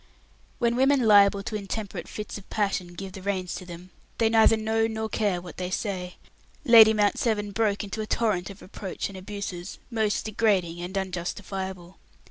When women liable to intemperate fits of passion give the reins to them, they neither know nor care what they say. Lady Mount Severn broke into a torrent of reproach and abuses, most degrading and unjustifiable.